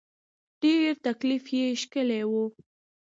ډېر تکليف یې کشلی و.